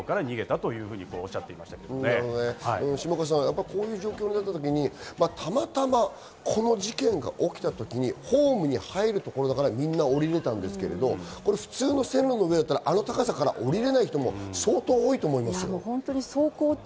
下川さん、こういう状況になった時にたまたまこの事件が起きた時にホームに入るところだからみんな降りられたんですけど、普通の線路の上だったらあの高さから降りれない人も相当多いと思います。